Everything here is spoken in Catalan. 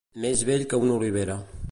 Més vell que una olivera.